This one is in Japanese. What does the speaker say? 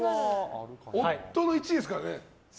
夫の１位ですからね。